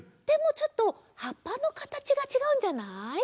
でもちょっとはっぱのかたちがちがうんじゃない？